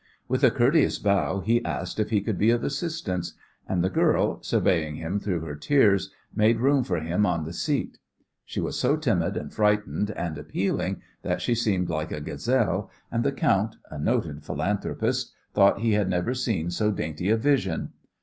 With a courteous bow he asked if he could be of assistance, and the girl, surveying him through her tears, made room for him on the seat. She was so timid and frightened and appealing that she seemed like a gazelle, and the count, a noted philanthropist, thought he had never seen so dainty a vision.